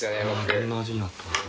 どんな味になったのか。